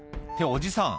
おじさん